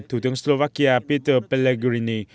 thủ tướng slovakia peter pellegrini